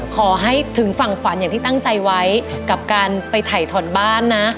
ขอให้ถึงฝั่งฝันอย่างที่ตั้งใจไว้กับการไปถ่ายถอนบ้านนะ